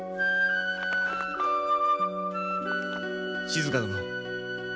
静殿。